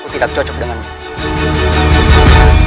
kau tidak cocok dengan dia